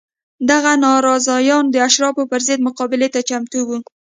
دغه ناراضیان د اشرافو پر ضد مقابلې ته چمتو وو